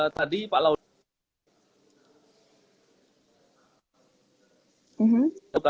tadi pak laud